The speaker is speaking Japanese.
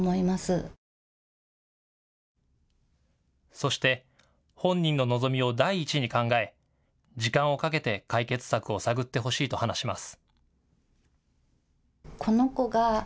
そして本人の望みを第一に考え時間をかけて解決策を探ってほしいと話します。